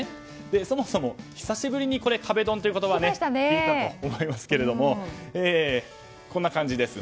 そもそも久しぶりに壁ドンという言葉を聞いたと思いますけどもこんな感じです。